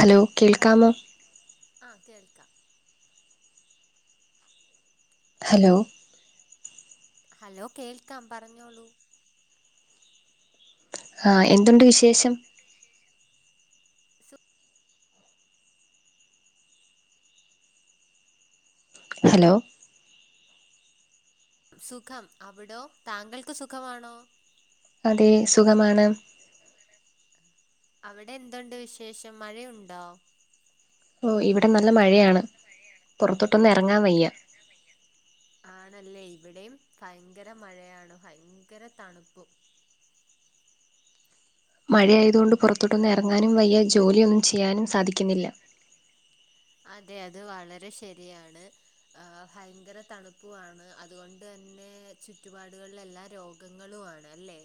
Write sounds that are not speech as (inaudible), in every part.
Hello കേൾക്കാമോ ആഹ് കേൾക്കാം ഹലോ ഹലോ കേൾക്കാം പറഞ്ഞോളൂ ആഹ് എന്തുണ്ട് വിശേഷം ണ്ട് വിശേഷം ഹലോ സുഖം അവിടോ താങ്കൾക്ക് സുഖമാണോ അതേ സുഖമാണ് സുഖമാണ് അവിടെ എന്തൊണ്ട് വിശേഷം മഴയൊണ്ടോ ഓഹ് ഇവിടെ നല്ല മഴയാണ് പൊറത്തോട്ടൊന്നും എറങ്ങാൻ വയ്യ ആണല്ലേ ഇവിടെയും ഭയങ്കര മഴയാണ് ഭയങ്കര തണുപ്പും മഴയായതുകൊണ്ട് പൊറത്തോട്ടൊന്നും എറങ്ങാനും വയ്യ ജോലിയൊന്നും ചെയ്യാനും സാധിക്കുന്നില്ല അതെ അത് വളരെ ശെരിയാണ് ആ ഭയങ്കര തണുപ്പാണ് അതുകൊണ്ട് തന്നെ ചുറ്റുപാടുകളിലെല്ലാം എല്ലാ രോഗം ഗങ്ങളുമാണ് അല്ലേ?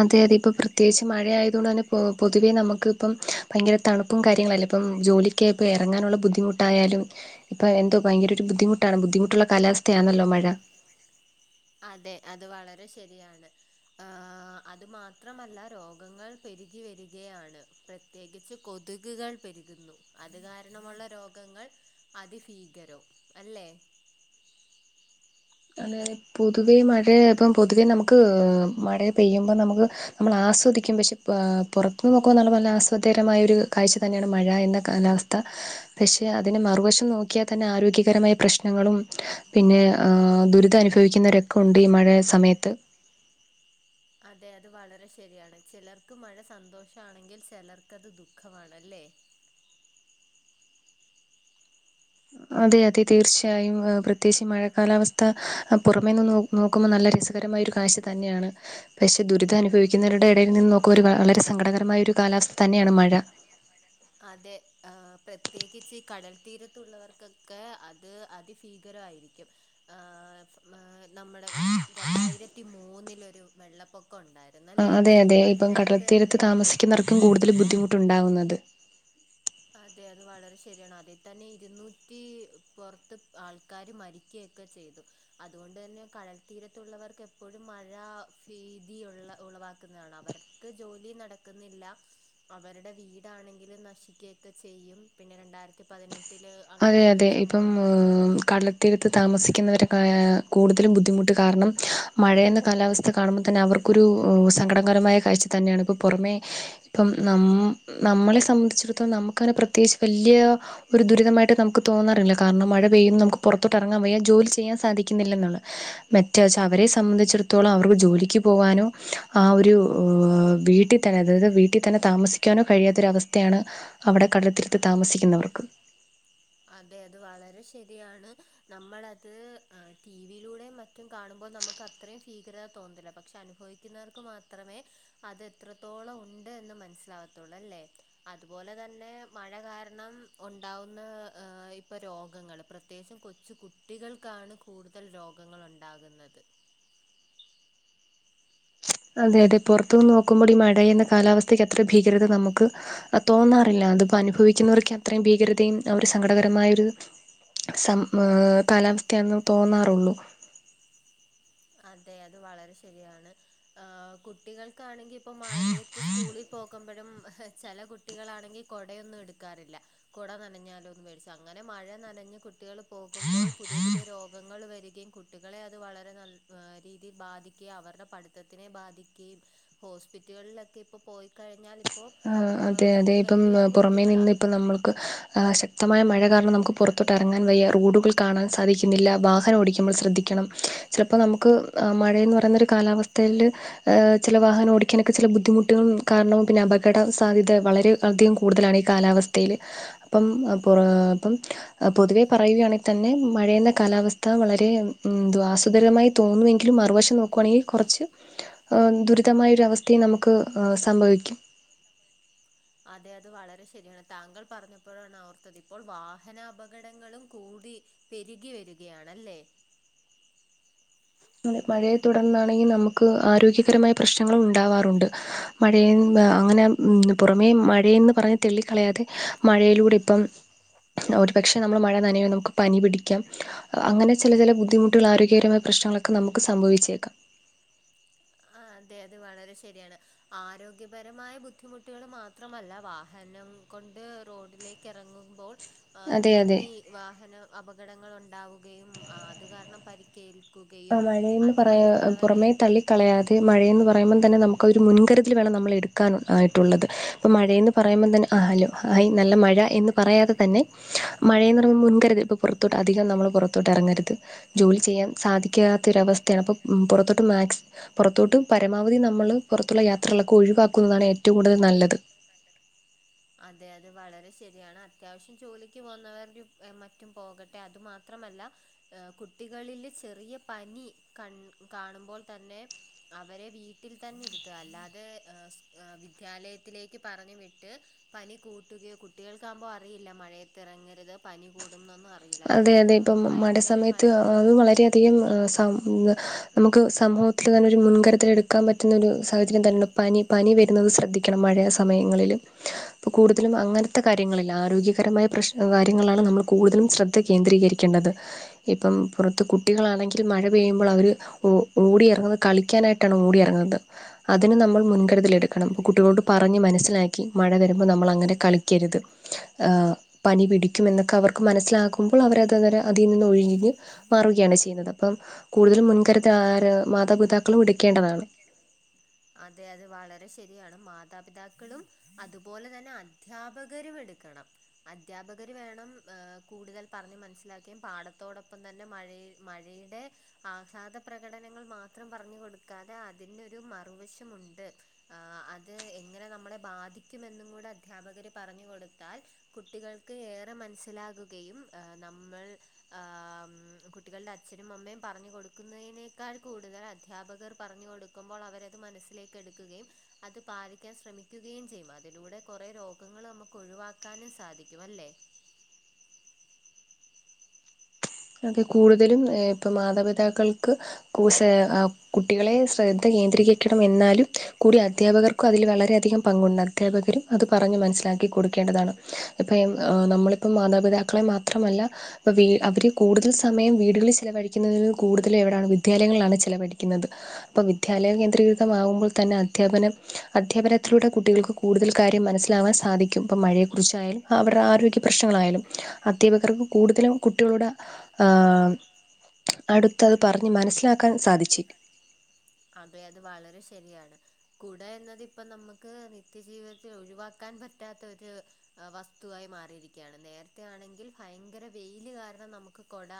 അതെ അതെ ഇപ്പൊ പ്രത്യേകിച്ച് മഴയായത് കൊണ്ട് തന്നെ പൊതുവെ നമുക്ക്. ഇപ്പം ഭയങ്കര തണുപ്പും കാര്യങ്ങളല്ലേ ഇപ്പം ജോലിക്ക് ഇപ്പോൾ ഇറങ്ങാനുള്ള ബുദ്ധിമുട്ടായാലും. ഇപ്പൊ എന്തോ ഭയങ്കര ഒരു ബുദ്ധിമുട്ടാണ് ബുദ്ധിമുട്ടുള്ള കാലാവസ്ഥയാണല്ലോ മഴ. അതെ അത് വളരെ ശരിയാണ്. ആഹ് അത് മാത്രമല്ല രോഗങ്ങൾ പെരുകി വരികയാണ്. പ്രത്യേകിച്ച് കൊതുകുകൾ പെരുകുന്നു അത് കാരണമുള്ള രോഗങ്ങൾ. അതിഭീകരോം അല്ലേ? അതെതെ പൊതുവെ മഴയാ ഇപ്പം പൊതുവേ നമുക്ക് മഴ പെയ്യുമ്പോ നമുക്ക്. നമ്മൾ ആസ്വദിക്കും പക്ഷെ പുറത്തുന്ന് നോക്കുമ്പോ നല്ല നല്ല ആസ്വാദകരമായ ഒരു കാഴ്ച തന്നെയാണ് മഴ എന്നാ കാലാവസ്ഥ പക്ഷേ അതിനെ മറുവശം നോക്കിയാൽ തന്നെ ആരോഗ്യകരമായ പ്രശ്നങ്ങളും പിന്നെ ദുരിതം അനുഭവിക്കുന്നവരൊക്കെ ഉണ്ട് ഈ മഴ സമയത്ത്. അതെ അത് വളരെ ശരിയാണ് ചിലർക്ക് മഴ സന്തോഷമാണെങ്കിൽ ചിലർക്കത് ദുഃഖമാണല്ലേ? അതെ അതെ. തീർച്ചയായും പ്രത്യേകിച്ച് മഴക്ക കാലാവസ്ഥ പുറമേെന്ന് നോ നോക്കുമ്പോ നല്ല രസകരമായ ഒരു കാഴ്ച തന്നെയാണ്. പക്ഷേ ദുരിതം അനുഭവിക്കുന്നവരുടെ ഇടയിൽ നിന്ന് നോക്കുന്ന ഒരു വളരെ സങ്കടകരമായ ഒരു കാലാവസ്ഥ തന്നെയാണ് മഴ. അതെ പ്രത്യേകിച്ച് കടൽ തീരത്തുള്ളവർക്കൊക്കെ അത് അതി ഭീകരമായിരിക്കും ആഹ് ഏഹ് നമ്മുടെ രണ്ടായിരത്തി മൂന്നിലൊരു വെള്ളപ്പൊക്കം ഉണ്ടായിരുന്നല്ലേ? അതെ അതെ ഇപ്പം അതിനകത്ത് കടൽത്തീരത്ത് തന്നെ താമസിക്കുന്നവർക്കും കൂടുതൽ ബുദ്ധിമുട്ടുണ്ടാവുന്നത്. അതെ അത് വളരെ ശരിയാണ് അതേ തന്നെ ഇരുന്നൂറ്റി പുറത്ത് ആൾക്കാാര് മരി കേക്ക ചെയ്തു. അതുകൊണ്ട് തന്നെ കടൽത്തീരത്തുള്ളവർക്ക് എപ്പോഴും മഴ ഫീതിയുള്ള ഉളവാക്കുന്നതാണ് അവർ ക്ക് ജോലി നടക്കുന്നില്ല അവരുടെ വീടാണെങ്കിലും നശിക്കെ ക്കെ ചെയ്യും പിന്നെ രണ്ടായിരത്തി പതിനെട്ടില് അങ്ങനെരു സംഭവം ഉണ്ടായി ഉം കടല ത്തീരത്ത് താമസിക്കുന്നവരെ ക്കായാകൂടുതലും ബുദ്ധിമുട്ട് കാരണം മഴയെന്ന കാലാവസ്ഥ കാണുമ്പോൾ തന്നെ അവർ ക്ക് ഒരു സങ്കടങ്കരമായ കാഴ്ച തന്നെയാണ് ഇപ്പോൾ പുറമെ ഇപ്പം ന നമ്മളെ സംബന്ധിച്ചിടത്തോളം നമുക്ക്നെ പ്രത്യേകിച്ച് വലിയ ഒരു ദുരിതമായിട്ട് നമുക്ക് തോന്നാറില്ല കാരണം മഴ പെയ്യും നമുക്ക് പുറത്തോട്ട് ഇറങ്ങാൻ വയ്യാ ജോലി ചെയ്യാൻ സാധിക്കുന്നില്ല എന്ന് ഉള്ളെ മെറ്റ വച്ചാ അവരെ സംബന്ധിച്ചിടത്തോളം അവർക്ക് ജോലിക്ക് പോകാനോ ആ ഒരു വീട്ടി തന്നെ അതായത് വീട്ടിൽ തന്നെ താമസിക്കാനോ കഴിയാത്തൊരവസ്ഥയാണ് അവിടെ കടലത്തീരുത്ത് താമസിക്കുന്നവർക്ക്. അതെ അത് വളരെ ശരിയാണ് നമ്മൾ അത് ടി വിയിലൂടെ മറ്റും കാണും മ്പോ നമുക്ക് അത്രയും ഫീകരത തോന്നത്തില്ല പക്ഷെ അനുഭവിക്കുന്നവർക്ക് മാത്രമേ അത് എത്രത്തോളം ഉണ്ട് എന്ന് മനസ്സിലാവത്തുള്ളു അല്ലേ, അതുപോലെ തന്നെ മഴ കാരണം. ഒണ്ടാവുന്ന ഇപ്പൊ രോഗങ്ങൾ പ്രത്യേകിച്ചം കൊച്ചു കുട്ടികൾക്കാണ്. കൂടുതൽ രോഗങ്ങളുണ്ടാകുന്നത്. അതെ അതെ പുറത്തു നിന്ന് നോക്കുമ്പോൾ ഈ മഴ എന്ന കാലാവസ്ഥയ്ക്ക് എത്ര ഭീകരത നമുക്ക്. തോന്നാറില്ല അതിപ്പോ അനുഭവിക്കുന്നവർക്കെ അത്രയും ഭീകരതയും അവര് സങ്കടകരമായൊരു സം ഏ കാലാവസ്ഥയാന്ന് തോന്നാറുള്ളൂ. അതെ അത് വളരെ ശരിയാണ് ഏഹ്കുട്ടികൾ ക്കാണെങ്കി ഇപ്പോ മഴയത്ത് സ്കൂളിൽ പോകുമ്പഴും ഹ് ചെല കുട്ടികളാണെങ്കിൽ കൊടയൊന്നും എടുക്കാറില്ല. കൊട നനഞ്ഞാലോന്ന് പേടിച്ച് അങ്ങനെ മഴ നനഞ്ഞഞ് കുട്ടികൾ പോകുമ്പോൾ പുതിയ പുതിയ രോഗങ്ങൾ വരികയും കു ട്ടികളെ അത് വളരെ നൽ രീതിയിൽ ബാധിക്ക്യ അവരുടെ പഠിത്തത്തിനെ ബാധിക്കുകയും ഹോസ്പിറ്റ്കളിലൊക്കെ ഇപ്പൊ പോയിക്കഴിഞ്ഞാൽ ആഹ് അതെ അതെ ഇപ്പം പുറമേ കുട്ടികളാ നിന്ന് ഇപ്പ നമ്മൾക്ക് ആഹ് ശക്തമായ മഴ കാരണം നമുക്ക് പൊറത്തോട്ട് ഇറങ്ങാൻ വയ്യ റോഡുകൾ കാണാൻ സാധിക്കുന്നില്ല വാഹനം ഓടിക്കുമ്പോൾ ശ്രദ്ധിക്കണം ചെലപ്പോ നമുക്ക് അഹ് മഴയെന്നു പറയുന്നൊരു കാലാവസ്ഥയില് ഏഹ് ചെല വാഹനം ഓടിക്കാനൊക്കെ ചെല ബുദ്ധിമുട്ടുകൾ കാരണം പിന്ന അപകട സാധ്യത വളരെ അധികം കൂടുതലാണ് ഈ കാ കാലാവസ്ഥയില് അപ്പം ആഹ് പൊറാ അപ്പം ആഹ് പൊതുവേ പറയുകയാണെ തന്നെ മഴയെന്ന കാലാവസ്ഥ വളരെ മ്മ് എന്തുവാ ആസ്വദരമായി തോന്നുമെങ്കിലും മറുവശം നോക്കുവാണെങ്കി കൊറച്ച് ആഹ് ദുരിതമായ ഒരു അവസ്ഥയെ നമുക്ക് ആഹ് സംഭവിക്കും അതെ അത് വളരെ ശരിയാണ് താങ്കൾ പറഞ്ഞപ്പഴാണ് ഓർത്തത് ഇപ്പോൾ വാഹനാപകടങ്ങളും കൂടി പെരികി വരികയാണല്ലേ? മഴയെ തുടർന്നാണെങ്കി നമുക്ക് ആരോഗ്യകരമായ പ്രശ്നങ്ങളും ഉണ്ടാവാറുണ്ട് മഴയും ആഹ് അങ്ങന മ്മ് പുറമേ മഴയെന്ന് പറഞ്ഞ് തെള്ളിക്കളയാതെ മഴയിലൂടിപ്പം ഒരു പക്ഷെ നമ്മള് മഴ നനയും നമുക്ക് പനി പിടിക്കാം അങ്ങനെ ചെല ചെല ബുദ്ധിമു ട്ടുള്ള ആരോഗ്യകരമായ പ്രശ്നങ്ങളക്ക നമുക്ക് സംഭവിച്ചേക്കാം ആഹ് അതെ അത് വളരെ ശരിയാണ് ആരോഗ്യപരമായ ബുദ്ധിമുട്ടുകള് മാത്രമല്ല വാഹനം കൊണ്ട് റോഡിലേ ക്കെറങ്ങുമ്പോൾ ആഹ് അതെ അതെ തെന്നി വാഹന അപകടങ്ങൾ ഉണ്ടാവുകയും അഹ് അത് കാരണം പരിക്കേൽ ക്കുകയും അത് മറ്റുള്ളവരെ കളയാതെ മഴയെന്ന് പറയുമ്പം തന്നെ നമുക്കൊരു മുൻകരുതൽ വേണം നമ്മളെടുക്കാൻ ആയിട്ടുള്ളത് ഇപ്പം മഴയെന്ന് പറയുമ്പം തന്നെ ആഹ് അല്ലോ ഹായ് നല്ല മഴ എന്ന് പറയാതെ തന്നെ മഴയെന്നൊറു മുൻകരുതൽ പ്പ പൊറ ത്തോട്ട് അധികം നമ്മള് പൊറത്തോട്ടെറങ്ങരുത് ജോലി ചെയ്യാൻ സാധി ക്കാത്തൊരവസ്ഥയാണ് അപ്പം പൊറത്തോട്ട് മാക്സ് പൊറത്തോട്ടും പരമാവധി നമ്മള് പൊറത്തുള്ള യാ ത്രകളൊക്ക ഒഴിവാക്കുന്നതാണ് ഏറ്റോം കൂടുതൽ നല്ലത് നല്ലത് അതെ അതെ വളരെ ശരിയാണ് അത്യാവശ്യം ജോലിക്ക് പോവുന്നവരും ഏഹ് മറ്റും പോകട്ടെ അത് മാ ത്രമല്ല ആഹ് കുട്ടികളില് ചെറിയ പനി കൺ കാണുമ്പോൾ തന്നെ അവരെ വീട്ടിൽ തന്നെ ഇരുത്തുവ അല്ലാ തേ ആഹ് സ് ആഹ് വിദ്യാലയത്തിലേക്ക് പറഞ്ഞ് വിട്ട് പനി കൂട്ടുകയോ കുട്ടികൾക്കാമ്പോ അറിയില്ല മഴയത്തിറങ്ങരുത് പനി കൂടും ന്നൊന്നും അ അറിയില്ല അത് അതെ അതെ ഇപ്പം ആഹ് മഴ ഭയങ്കര മ സമയത്ത് അത് വളരെയധികം ആഹ് സം നമുക്ക് സമൂഹത്തില് തന്നൊരു മുൻകരുതലെടുക്കാൻ പറ്റുന്നൊരു സാഹചര്യം തന്നൊ പനി പനി വരുന്നത് ശ്രദ്ധി ക്കണം മഴയ സമയങ്ങളില് പ്പ കൂടുതലും അങ്ങനത്ത കാര്യങ്ങളിൽ ആരോഗ്യകരമായ പ്രശ്ന കാര്യങ്ങളിലാണ് നമ്മള് കൂടുതലും ശ്ര ദ്ധ കേന്ദ്രീകരിക്കേണ്ടത് ഇപ്പം പുറത്ത് കുട്ടികളാണെങ്കിൽ മഴ പെയ്യുമ്പോളവര് ഓ ഓടിയിറങ്ങുന്ന കളിക്കാനായിട്ടാണ് ഓടി എറങ്ങുന്നത് അതിന് നമ്മൾ മുൻകരുതലെടുക്കണം പ്പൊ കുട്ടികളോട് പറഞ്ഞ് മനസ്സിലാ ക്കി മഴ വരുമ്പോ നമ്മളങ്ങനെ കളിക്കരുത് ആഹ് പനി പിടിക്കുമെന്നക്ക അവർക്ക് മനസ്സിലാകു കുമ്പൾ അവരത് അവര് അതീനിന്ന് ഒഴിഞ്ഞ് മാറുകയാണ് ചെയ്യുന്നത് അപ്പം കൂടുതല് മുൻകരു താര മാതാപിതാക്കളും എടുക്കേണ്ടതാണ് അതെ അതെ വളരെ ശരിയാണ് മാതാപിതാക്കളും അതുപോലെ തന്നെ അദ്ധ്യാപകരും എടുക്കണം അദ്ധ്യാപകര് വേണം ആഹ് കൂടുതൽ പറഞ്ഞ് മനസ്സിലാക്കേം പാഠത്തോടൊപ്പം തന്നെ മഴയെ മഴേടെ ആഹ്ലാദ പ്ര കടനങ്ങൾ മാത്രം പറഞ്ഞു കൊടുക്കാതെ അതിനൊരു മറുവശമുണ്ട് ആഹ് അത് എങ്ങനെ നമ്മളെ ബാധിക്കുമെന്നും കൂട അദ്ധ്യാപകര് പറഞ്ഞു കൊടുത്താൽ കുട്ടികൾക്ക് ഏറെ മനസ്സിലാകുകയും ഏഹ് നമ്മൾ ആം കുട്ടികളുടെ അച്ഛനും അമ്മേം പറഞ്ഞു കൊടുക്കുന്നതിനെ ക്കാൾ കൂടുതൽ അധ്യാപകർ പറഞ്ഞു കൊടുക്കുമ്പോൾ അവരത് മനസ്സിലേക്കെടുക്കുകയും അത് പാലിക്കാൻ ശ്രമിക്കുകയും ചെയ്യും അതിലൂടെ കൊറേ രോഗങ്ങള് നമുക്ക് ഒഴിവാക്കാനും സാധിക്കും അല്ലേ അത് കൂടുതലും ഇപ്പ മാതാപിതാക്കൾക്ക് കു സെ കുട്ടികളെ ശ്രദ്ധ കേന്ദ്രീകരിക്കണം എന്നാലും കൂടി അധ്യാപകർ അതിൽ വളരെയധികം പങ്കുണ്ട് അധ്യാപകരും അത് പറഞ്ഞ് മനസ്സിലാക്കി കൊടുക്കേണ്ടതാണ് ഇപ്പം നമ്മള് ക് ഇപ്പൊ മാതാപിതാക്കളെ മാത്രമല്ല വ് ആഹ് അവര് കൂടുതൽ സമയം വീടുകളിൽ ചിലവഴിക്കുന്നതിന് കൂടുതല് എവിടാണ് വിദ്യാലയങ്ങളിലാണ് ചിലവഴിക്കുന്നത് അപ്പൊ വിദ്യാലയം കേന്ദ്രീകൃതമാകുമ്പോൾ തന്നെ അധ്യാപനം അധ്യാപനത്തിലൂടെ കുട്ടികൾക്ക് കൂടുതൽ കാര്യം മനസ്സിലാവാൻ സാധിക്കും ഇപ്പം മഴയെക്കുറിച്ചായാലും അവരുടെ ആരോഗ്യ പ്രശ്നങ്ങളായാലും അധ്യാപകർക്ക് കൂടുതലും കുട്ടികളുടാ ആഹ് അടുത്തത് പറഞ്ഞ് മനസ്സിലാക്കാൻ സാധിച്ചേനേ അതെ അത് വളരെ ശരിയാണ് കുട എന്നത് ഇപ്പ നമുക്ക് നിത്യജീവിതത്തിൽ ഒഴിവാക്ക ക്കാൻ പറ്റാത്തൊരു വസ്തുവായി മാറിയിരിക്കുകയാണ് നേരത്തെ ആണെങ്കിൽ ഭയങ്കര വെയില് കാരണം നമുക്ക് കൊട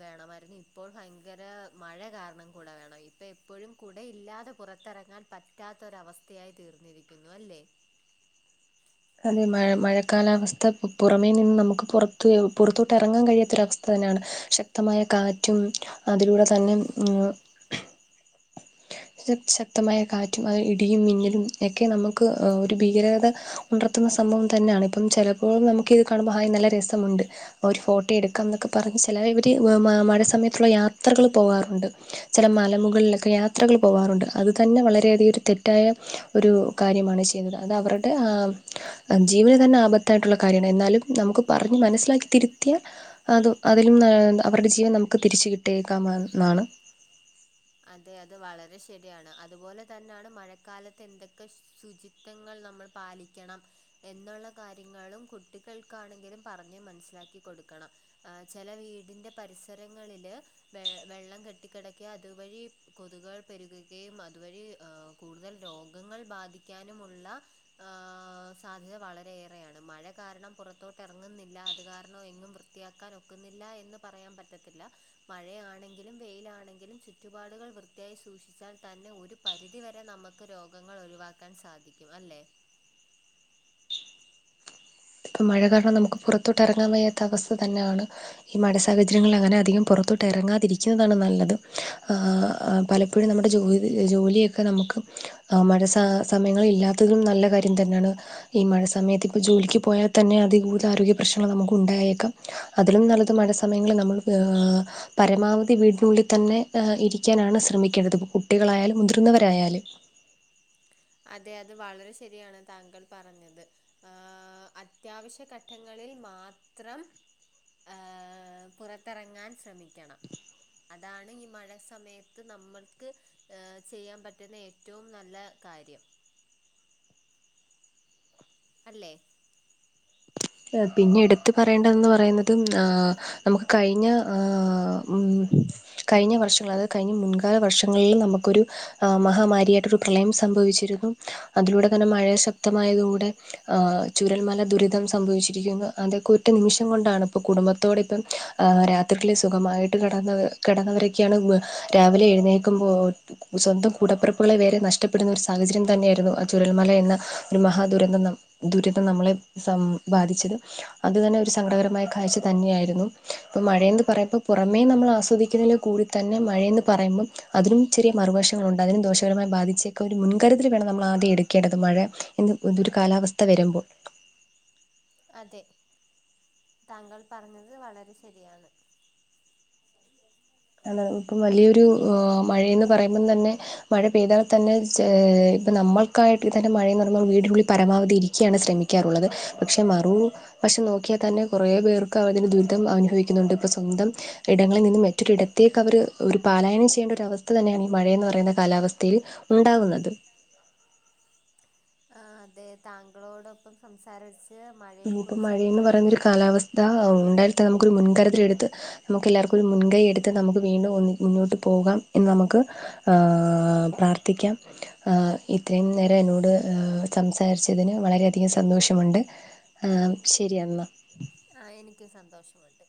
വേണമായിരുന്നു ഇപ്പോൾ ഭയങ്കര മഴ കാരണം കൂട വേണം ഇപ്പ എപ്പോഴും കുടയില്ലാതെ പുറത്തിറങ്ങാൻ പറ്റാത്തൊരവസ്ഥയായി തീർന്നിരിക്കുന്നു അല്ലേ അതെ മഴ മഴക്കാലാവസ്ഥ പുറമേ നിന്ന് നമുക്ക് പുറ പുറത്തോട്ട് ഇറങ്ങാൻ കഴിയാത്തൊരവസ്ഥ തന്നെയാണ് ശക്തമായ കാറ്റും അതിലൂടെ തന്നെ ശക്തമായ കാറ്റും അത് ഇടിയും മിന്നിലും ക്കെ നമുക്ക് ഒരു ഭീകരത ഉണർത്തുന്ന സംഭവം തന്നെയാണ് ഇപ്പം ചില ഇപ്പോഴും നമുക്ക് ഇത് കാണുമ്പോൾ ഹായ് നല്ല രസമുണ്ട് ഒരു ഫോട്ടോ എടുക്കാം എന്നൊക്കെ പറഞ്ഞ് ചിലവര് മഴ സമയത്ത് (unintelligible) യാത്രകള് പോകാറുണ്ട് ചില മലമുകളിലൊക്കെ യാത്രകൾ പോവാറുണ്ട് അതു തന്നെ വളരെയധികം ഒരു തെറ്റായ ഒരു കാര്യമാണ് ചെയ്യുന്നത് അത് അവരുടെ ആഹ് ജീവന് തന്നെ ആപത്തായിട്ടുള്ള കാര്യാണ് എന്നാലും നമുക്ക് പറഞ്ഞ് മനസ്സിലാക്കി തിരുത്തിയ അത് അതിലും നല്ല അവരുടെ ജീവൻ നമുക്ക് തിരിച്ച കിട്ടിയേക്കാമെന്നാണ് അതെ അത് വളരെ ശരിയാണ് അതുപോലെ തന്നെയാണ് മഴക്കാലത്ത് എന്തൊക്കെ ശുചി ങ്ങൾ നമ്മൾ പാലിക്കണം എന്നുള്ള കാര്യങ്ങളും കുട്ടികൾക്കാണെങ്കിലും പറഞ്ഞ് മനസ്സിലാക്കി കൊടുക്കണം ആഹ് ചില വീടിന്റെ പരിസരങ്ങളില് വെ വെള്ളം കെട്ടിക്കിടക്കിയത് അതുവഴി കൊതുകള് പെരുകുകയും അതുവഴി കൂടുതൽ രോഗങ്ങൾ ബാധിക്കാനുമുള്ള ആഹ് സാധ്യത വളരെയേറെയാണ് മഴ കാരണം പുറത്തോട്ട് ഇറങ്ങുന്നില്ല അത് കാരണം എങ്ങും വൃ വൃത്തിയാക്കാൻ ഒക്കുന്നില്ല എന്ന് പറയാൻ പറ്റത്തില്ല മഴയാണെങ്കിലും വെയിലാണെങ്കിലും ച്ചു ചുറ്റുപാടുകൾ വൃത്തിയായി സൂക്ഷിച്ചാൽ തന്നെ ഒരു പരിധിവരെ നമുക്ക് രോഗങ്ങൾ ഒഴിവാക്കാൻ സാധിക്കും അല്ലേ ഇപ്പം മഴ കാരണം നമുക്ക് പുറത്തോട്ട് ഇറങ്ങാൻ വയ്യാത്ത അവസ്ഥ തന്നെയാണ് ഈ മഴ സാഹചര്യങ്ങള് അങ്ങനെ അധികം പുറത്തോട്ട് ഇറങ്ങാതിരിക്കുന്നതാണ് നല്ലത് ആഹ്‌ പലപ്പോഴും നമ്മുടെ ജോലി ജോലിയൊക്കെ നമുക്ക് ആഹ് മഴ സ സമയങ്ങളിൽ ഇല്ലാത്തതും നല്ല കാര്യം തന്നാണ് ഈ മഴ സമയത്ത് ഇപ്പൊ ജോലിക്ക് പോയാൽ തന്നെ അതികൂടുതലാരോഗ്യ പ്രശ്നങ്ങൾ നമുക്ക് ഉണ്ടായേക്കാം അതിലും നല്ലത് മഴ സമയങ്ങളിൽ നമ്മള് ങ്‌ പരമാവധി വീടിനുള്ളിൽ തന്നെ ഇരിക്കാനാണ് ശ്രമിക്കേണ്ടത് ഇപ്പ കുട്ടികളായാലും മുതിർന്നവരായാലും അതെ അത് വളരെ ശരിയാണ് താങ്കൾ പറഞ്ഞത് ആഹ് അത്യാവശ്യ ഘട്ടങ്ങളിൽ മാത്രം ആഹ്‌ പുറത്തിറങ്ങാൻ ശ്രമിക്കണം അതാണ് ഈ മഴ സമയത്ത് നമ്മൾക്ക് ഏഹ് ചെയ്യാൻ പറ്റുന്ന ഏറ്റവും നല്ല കാര്യം അല്ലേ പിന്നെ എടുത്ത് പറയേണ്ടതന്ന് പറയുന്നുന്നത് ആഹ്‌ ‌ നമുക്ക് കഴിഞ്ഞ ആഹ്‌ കഴിഞ്ഞ വർഷങ്ങൾ അതായത് കഴിഞ്ഞ മുൻകാല വർഷങ്ങളിലും നമുക്കൊരു ആഹ് മഹാമാരിയായിട്ടോരു പ്രളയം സംഭവിച്ചിരുന്നു അതിലൂടെ തന്നെ മഴ ശക്തമായതിലൂടെ ആഹ് ചുരൽമല ദുരിധം സംഭവിച്ചിരിക്കുന്നു അതൊക്കെ ഒറ്റ നിമിഷം കൊണ്ടാണ് ഇപ്പോ കുടുംബത്തോടിപ്പം രാത്രിക്കൽ സുഖമായിട്ട് കിടന്ന് കിടന്നവരൊക്കെയാണ് രാവിലെ എഴുന്നേക്കുമ്പോൾ സ്വന്തം കൂടപ്പിറപ്പുകളെ വരെ നഷ്ടപ്പെടുന്ന ഒരു സാഹചര്യം തന്നെയായിരുന്നു ആ ചുരൽമല എന്ന ഒരു മഹാദുരന്തം ദുരിതം നമ്മളെ ബാധിച്ചത് അത് തന്നെ ഒരു സങ്കടകരമായ കാഴ്ച തന്നെയായിരുന്നു. ഇപ്പൊ മഴയന്ന് പറയ്മ്പ പുറമേ നമ്മൾ ആസ്വദിക്കുന്നതിലും കൂടി തന്നെ മഴെന്ന് പറയുമ്പം അതിനും ചെറിയ മറുവശങ്ങളുണ്ട് അതിനും ദോഷകരമായി ബാധിച്ചൊക്കെ ഒരു മുൻകരുതൽ വേണം നമ്മൾ ആദ്യം എടുക്കേണ്ടത് മഴ ഇതൊരു കാലാവസ്ഥ വരുമ്പോൾ അതെ താങ്കൾ പറഞ്ഞത് വളരെ ശരിയാണ് ആണോ ഇപ്പം വലിയൊരു മഴേന്ന് പറയുമ്പം തന്നെ മഴ പെയ്താൽ തന്നെ ഇപ്പ നമ്മക്കായിട്ട് തന്നെ മഴയന്ന് പറഞ്ഞ വീടിനുള്ളിൽ പരമാവധി ഇരിക്കാണ് ശ്രമിക്ക ക്കാറുള്ളത് പക്ഷെ പക്ഷെ മറു വശം നോക്കിയാൽ തന്നെ കുറേ പേർക്ക് അതിൻ്റെ ദുരിതം അനുഭവിക്കുന്നുണ്ട് ഇപ്പം സ്വന്തം ഇടങ്ങളിൽ നിന്നും മറ്റൊരിടത്തേക്ക് അവർ ഒരു പാലായനം ചെയ്യേണ്ട ഒരവസ്ഥ തന്നെയാണ് ഈ മഴയെന്ന് പറയുന്ന കാലാവസ്ഥയിൽ ഉണ്ടാകുന്നത് ആഹ് അതെ താങ്കളോടൊപ്പം സംസാരസ് ച്ച് മഴയെക്കുറിച്ച് ഇത്രയും ഇതാ ഉണ്ടായിത്ത നമുക്കൊരു മുൻകരുത്തിലൽടുത്ത് നമുക്ക് എല്ലാർക്കും ഒരു മുൻകൈ എടുത്ത് നമുക്ക് വീണ്ടും ഒന്നി മുന്നോട്ട് പോകാം എന്ന് നമുക്ക് ആഹ് പ്രാർത്ഥിക്കാം ഇത്രയും നേരം എന്നോട് സംസാരിച്ചതിന് വളരെയധികം സന്തോഷമുണ്ട് ആഹ് ശരിയെന്ന ആഹ് എനിക്ക് സന്തോഷമുണ്ട്